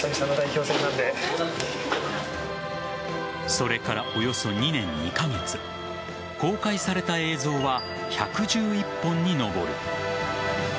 それから、およそ２年２カ月公開された映像は１１１本に上る。